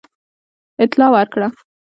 اطلاع ورکړه.